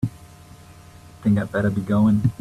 Think I'd better be going.